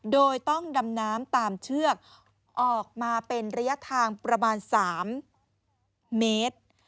โดยต้องดำน้ำตามเชือกออกมาเป็นระยะทางประมาณ๓เมตร